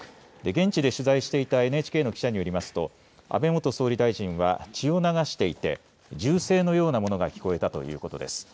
現地で取材していたＮＨＫの記者によりますと安倍元総理大臣は血を流していて銃声のようなものが聞こえたということです。